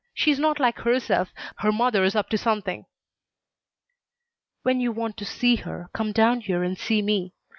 She's not like herself. Her mother's up to something." "When you want to see her, come down here and see me.